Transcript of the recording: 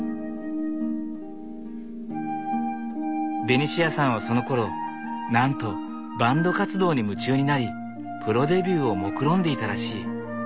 ベニシアさんはそのころなんとバンド活動に夢中になりプロデビューをもくろんでいたらしい。